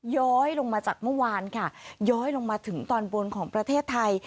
ย้อยลงมาจากเมื่อวานค่ะย้อยลงมาถึงตอนบนของประเทศไทย